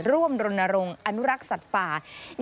รณรงค์อนุรักษ์สัตว์ป่า